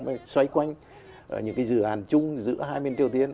mới xoay quanh những cái dự án chung giữa hai miền triều tiên